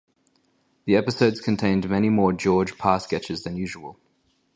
The episodes contained many more George Parr sketches than usual.